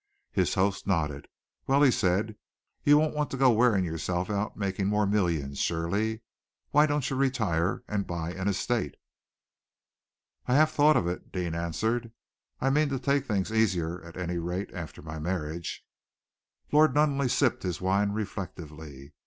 His host nodded. "Well," he said, "you won't want to go wearing yourself out making more millions, surely? Why don't you retire, and buy an estate?" "I have thought of it," Deane answered. "I mean to take things easier, at any rate, after my marriage." Lord Nunneley sipped his wine reflectively.